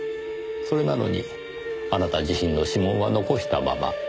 それなのにあなた自身の指紋は残したまま。